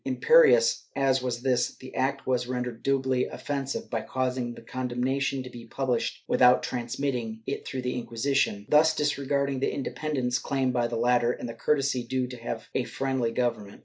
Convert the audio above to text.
^ Imperious as was this, the act was rendered doubly offensive by causing the condemnation to be published without transmitting it through the Inquisition, thus disregarding the independence claimed by the latter and the courtesy due to a friendly government.